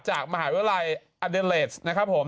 จากมหาวิทยาลัยอเดเลสนะครับผม